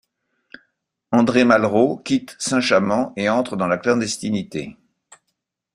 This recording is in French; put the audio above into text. André Malraux quitte Saint-Chamant et entre dans la clandestinité.